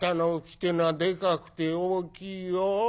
ってえのはでかくて大きいよ。